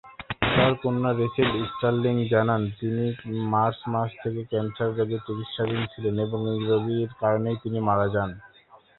তার কন্যা Rachel Sterling জানান তিনি মার্চ মাস থেকে ক্যান্সার রোগের চিকিৎসাধীন ছিলেন এবং এই রোগের কারণেই তিনি মারা যান।